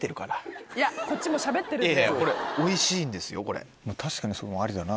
いやこっちもしゃべってるんで。